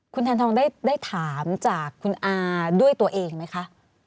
คุณแทนทองได้ถามจากคุณอาด้วยตัวเองไหมคะ